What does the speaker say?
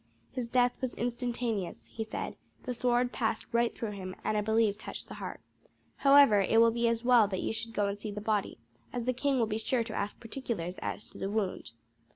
"His death was instantaneous," he said; "the sword passed right through him, and I believe touched the heart. However, it will be as well that you should go and see the body, as the king will be sure to ask particulars as to the wound."